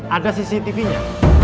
ada cctv nya